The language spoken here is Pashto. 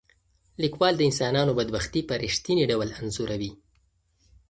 لیکوال د انسانانو بدبختي په رښتیني ډول انځوروي.